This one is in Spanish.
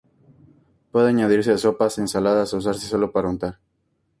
Puede añadirse a sopas, ensaladas, o usarse sólo para untar.